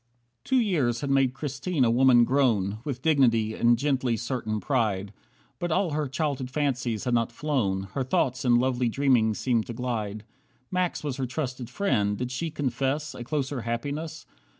37 Two years had made Christine a woman grown, With dignity and gently certain pride. But all her childhood fancies had not flown, Her thoughts in lovely dreamings seemed to glide. Max was her trusted friend, did she confess A closer happiness?